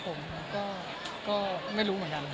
ก็โดนคุณปู่ก่อนเลยคนแรก